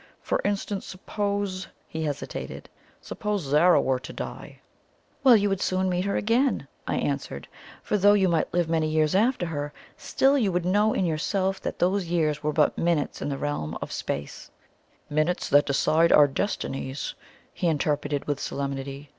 For instance, suppose " he hesitated: "suppose Zara were to die?" "Well, you would soon meet her again," I answered. "For though you might live many years after her, still you would know in yourself that those years were but minutes in the realms of space " "Minutes that decide our destinies," he interrupted with solemnity.